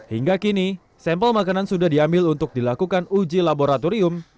hingga kini sampel makanan sudah diambil untuk dilakukan uji laboratorium